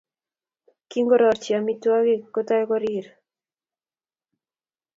Kingororchi omitwogik kotou korir